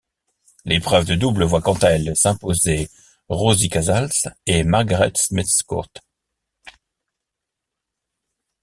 L'épreuve de double voit quant à elle s'imposer Rosie Casals et Margaret Smith Court.